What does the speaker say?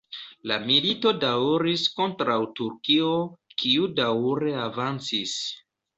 La milito daŭris kontraŭ Turkio, kiu daŭre avancis.